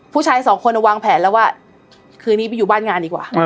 ผู้ชายสองคนวางแผนแล้วว่าคืนนี้ไปอยู่บ้านงานดีกว่า